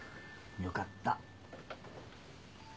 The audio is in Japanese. よかった。